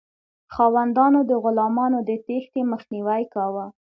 خاوندانو د غلامانو د تیښتې مخنیوی کاوه.